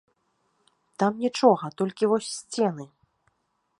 Там нічога, толькі вось сцены!